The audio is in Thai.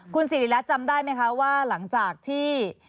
คุณสิริรัตน์จำได้ไหมคะว่าหลังจากที่